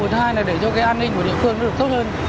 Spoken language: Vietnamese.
một hai là để cho cái an ninh của địa phương nó được tốt hơn